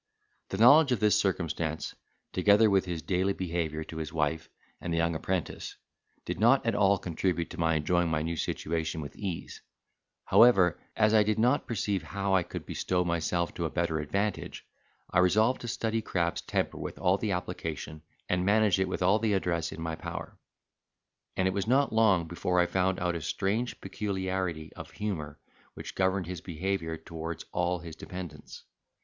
The knowledge of this circumstance, together with his daily behaviour to his wife and the young apprentice, did not at all contribute to my enjoying my new situation with ease; however, as I did not perceive how I could bestow myself to better advantage, I resolved to study Crab's temper with all the application, and manage it with all the address in my power. And it was not long before I found out a strange peculiarity of humour which governed his behaviour towards all his dependents.